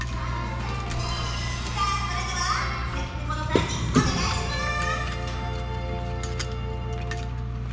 さあ、それでは関ぺこの３人お願いします！